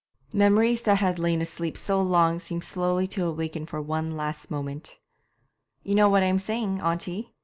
Memories that had lain asleep so long seemed slowly to awaken for one last moment. 'You know what I am saying, auntie?'